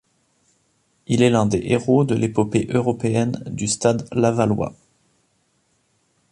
Il est l'un des héros de l'épopée européenne du Stade lavallois.